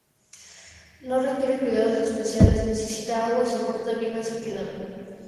No requiere cuidados especiales, necesita agua y soporta bien la sequedad.